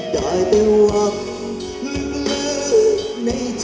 ได้เป็นหวังลืมลืมในใจ